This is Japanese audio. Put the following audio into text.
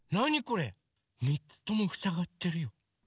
３つともふさがってるよ。